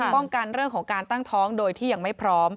ป้องกันเรื่องของการตั้งท้องโดยที่ยังไม่พร้อม